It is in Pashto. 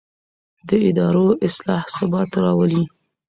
د ادارو اصلاح ثبات راولي